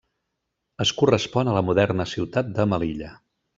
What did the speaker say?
Es correspon a la moderna ciutat de Melilla.